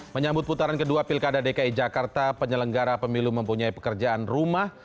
menyambut putaran kedua pilkada dki jakarta penyelenggara pemilu mempunyai pekerjaan rumah